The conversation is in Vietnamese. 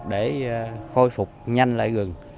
để khôi phục nhanh lại rừng